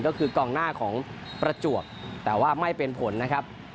ก็คือกองหน้าของประจวบแต่ว่าไม่เป็นผลนะครับ